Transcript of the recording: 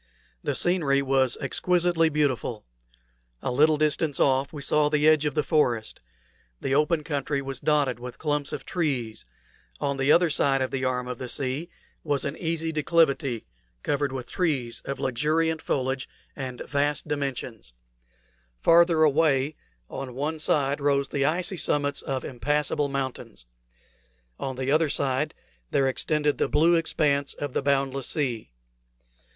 The scenery was exquisitely beautiful. A little distance off we saw the edge of the forest; the open country was dotted with clumps of trees; on the other side of the arm of the sea was an easy declivity covered with trees of luxuriant foliage and vast dimensions; farther away on one side rose the icy summits of impassable mountains; on the other side there extended the blue expanse of the boundless sea.